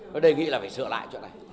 tôi đề nghị là phải sửa lại